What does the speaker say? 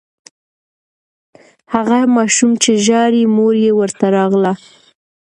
هغه ماشوم چې ژاړي، مور یې ورته راغله.